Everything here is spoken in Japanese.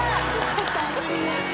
ちょっと。